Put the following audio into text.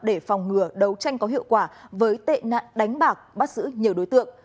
để phòng ngừa đấu tranh có hiệu quả với tệ nạn đánh bạc bắt giữ nhiều đối tượng